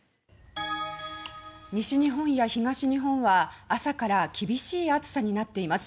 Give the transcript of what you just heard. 西日本や東日本は朝から厳しい暑さになっています。